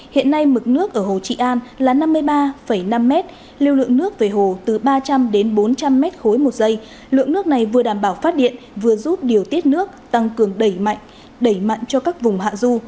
hiện nay mực nước ở hồ trị an là năm mươi ba năm m lưu lượng nước về hồ từ ba trăm linh đến bốn trăm linh m ba một giây lượng nước này vừa đảm bảo phát điện vừa giúp điều tiết nước tăng cường đẩy mạnh đẩy mặn cho các vùng hạ du